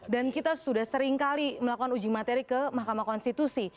dan kita sudah seringkali melakukan uji materi ke mahkamah konstitusi